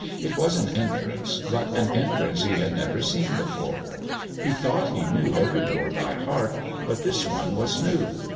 It was an entrance, but an entrance he had never seen before. He thought he knew every door by heart; but this one was new.